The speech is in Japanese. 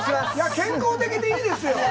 健康的でいいですよ